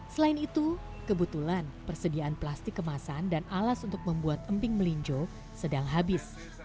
selain itu kebetulan persediaan plastik kemasan dan alas untuk membuat emping melinjo sedang habis